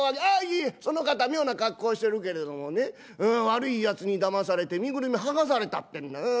ああいやいやその方妙な格好してるけれどもね悪いやつにだまされて身ぐるみ剥がされたってんだ。